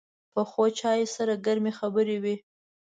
پخو چایو سره ګرمې خبرې وي